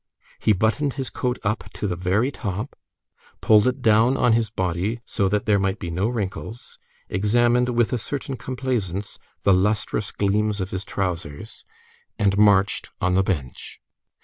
He buttoned his coat up to the very top, pulled it down on his body so that there might be no wrinkles, examined, with a certain complaisance, the lustrous gleams of his trousers, and marched on the bench.